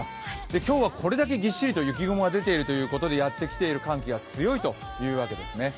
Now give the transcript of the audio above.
今日はこれだけぎっしりと雪雲が出ているということでやってきている寒気が強いということですね。